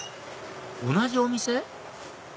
同じお店？